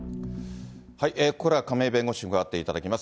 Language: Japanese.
ここからは亀井弁護士に加わっていただきます。